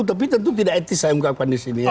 tapi tentu tidak etis saya ungkapkan di sini